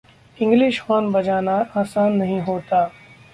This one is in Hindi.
इंग्लिश हॉर्न बजाना आसान नहीं होता।